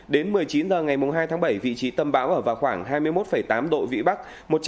đến một mươi chín h ngày hai tháng bảy vị trí tâm bão ở vào khoảng hai mươi một tám độ vĩ bắc